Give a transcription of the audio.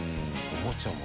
おもちゃも？